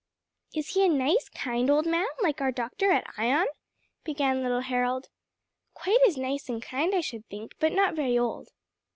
"Is he a nice kind old man, like our doctor at Ion?" began little Harold. "Quite as nice and kind I should think, but not very old."